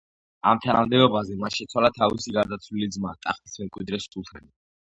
ამ თანამდებობაზე მან შეცვალა თავისი გარდაცვლილი ძმა, ტახტის მემკვიდრე სულთანი.